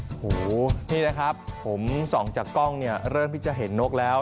โอ้โหนี่นะครับผมส่องจากกล้องเนี่ยเริ่มที่จะเห็นนกแล้ว